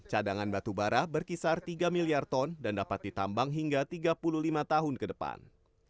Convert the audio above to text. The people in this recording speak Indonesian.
cadangan batu bara berkisar tiga miliar ton dan dapat ditambang hingga tiga puluh lima tahun ke depan